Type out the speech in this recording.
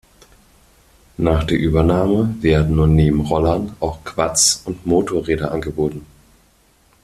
Nach der Übernahme werden nun neben Rollern auch Quads und Motorräder angeboten.